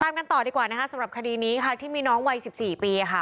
กันต่อดีกว่านะคะสำหรับคดีนี้ค่ะที่มีน้องวัย๑๔ปีค่ะ